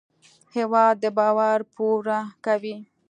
هېواد د باور پوره کوي.